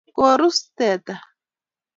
korus teta